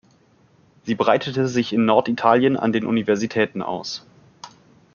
Sie breitete sich in Norditalien an den Universitäten aus.